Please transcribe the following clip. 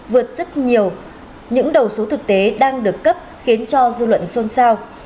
vượt rất nhiều những đầu số thực tế đang được cấp khiến cho dư luận xôn xao